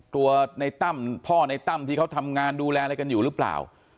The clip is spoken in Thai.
ตัวในตั้มพ่อในตั้มที่เขาทำงานดูแลอะไรกันอยู่หรือเปล่า